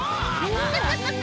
ハハハハ。